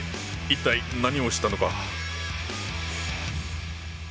一体何をしたのか？